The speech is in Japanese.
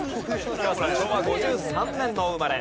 昭和５３年のお生まれ。